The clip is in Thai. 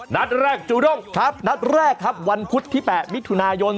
นัดแรกจูด้งครับนัดแรกครับวันพุธที่๘มิถุนายน